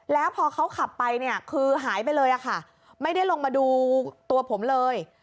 แล้วพอเขาขับไปเนี่ยคือหายไปเลยค่ะไม่ได้ลงมาดูตัวผมเลย